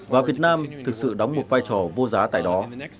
và việt nam thực sự đóng một vai trò vô giá tại đó